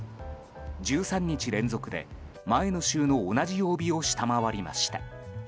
１３日連続で、前の週の同じ曜日を下回りました。